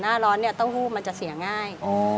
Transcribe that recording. หน้าร้อนเนี่ยเต้าหู้มันจะเสียง่าย